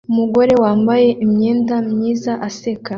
Umugore wambaye imyenda myiza aseka